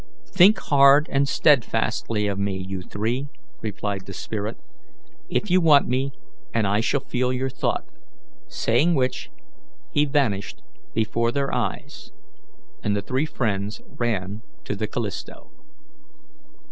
"Think hard and steadfastly of me, you three," replied the spirit, "if you want me, and I shall feel your thought"; saying which, he vanished before their eyes, and the three friends ran to the Callisto.